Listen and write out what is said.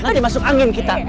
nanti masuk angin kita